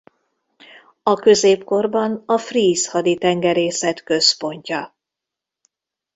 A középkorban a fríz haditengerészet központja.